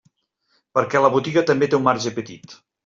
Perquè la botiga també té un marge petit.